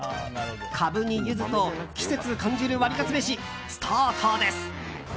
カブにユズと季節感じるワリカツめしスタートです。